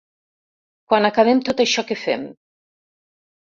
Quan acabem tot això que fem.